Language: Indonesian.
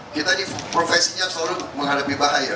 kita ini profesinya selalu menghadapi bahaya